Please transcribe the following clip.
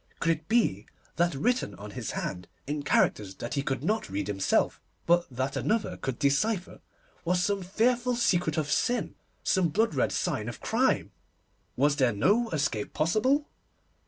Could it be that written on his hand, in characters that he could not read himself, but that another could decipher, was some fearful secret of sin, some blood red sign of crime? Was there no escape possible?